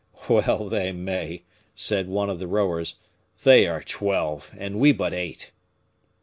"Well they may," said one of the rowers, "they are twelve, and we but eight."